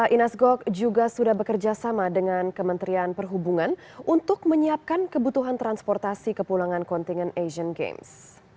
inas gok juga sudah bekerja sama dengan kementerian perhubungan untuk menyiapkan kebutuhan transportasi kepulangan kontingen asian games